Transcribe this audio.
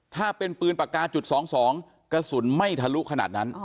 ถ้าเป็นปืนปากกาจุด๒๒กระสุนไม่ทะลุขนาดนั้น